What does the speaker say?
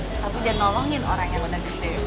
tapi dia nolongin orang yang udah kecil